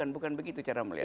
bukan begitu cara melihatnya